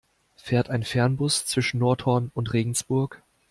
Fährt ein Fernbus zwischen Nordhorn und Regensburg?